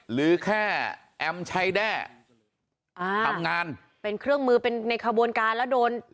หรือแค่แอมชัยแด้อ่าทำงานเป็นเครื่องมือเป็นในขบวนการแล้วโดน